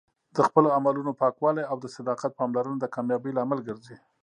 د خپلو عملونو پاکوالی او د صداقت پاملرنه د کامیابۍ لامل ګرځي.